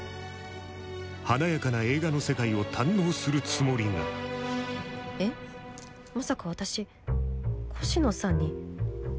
華やかな映画の世界を堪能するつもりがえっまさか私越乃さんに嫉妬してる？